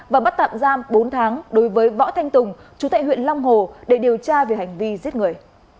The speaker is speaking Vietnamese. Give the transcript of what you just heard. và bắt tạm giam bốn tháng đối với võ thanh tùng chú tại huyện long hồ để điều tra về hành vi giết người